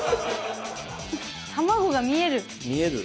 卵が見える。